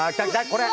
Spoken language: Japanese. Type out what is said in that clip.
これ！